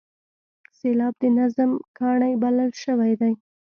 سېلاب د نظم کاڼی بلل شوی دی.